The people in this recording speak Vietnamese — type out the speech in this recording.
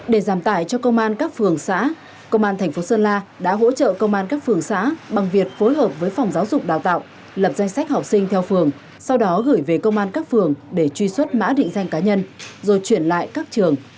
để giảm tải cho công an các phường xã công an thành phố sơn la đã hỗ trợ công an các phường xã bằng việc phối hợp với phòng giáo dục đào tạo lập danh sách học sinh theo phường sau đó gửi về công an các phường để truy xuất mã định danh cá nhân rồi chuyển lại các trường